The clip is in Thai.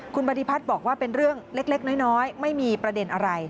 คุณปฏิพัฒน์บอกว่าเป็นเรื่องเล็กน้อยไม่มีประเด็นอะไร